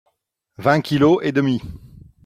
Vingt kilos et demi.